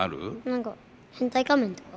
何か変態仮面とか。